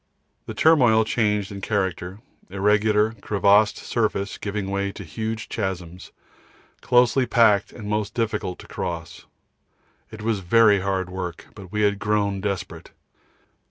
The turmoil changed in character, irregular crevassed surface giving way to huge chasms, closely packed and most difficult to cross. It was very heavy work, but we had grown desperate.